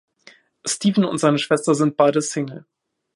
Steven und seine Schwester sind beide Single.